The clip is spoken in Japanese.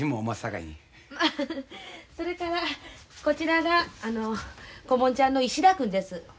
まあそれからこちらが小ぼんちゃんの石田君です。